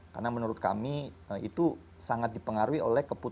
karena menurut kami itu sangat dipengaruhi oleh keputusan